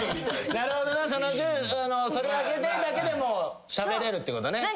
なるほどなそのそれ開けてだけでもしゃべれるってことね。